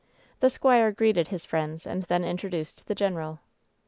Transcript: The squire greeted his friends, and then introduced the general.